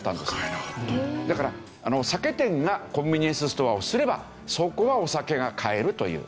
だから酒店がコンビニエンスストアをすればそこはお酒が買えるという。